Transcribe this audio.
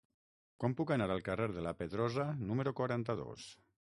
Com puc anar al carrer de la Pedrosa número quaranta-dos?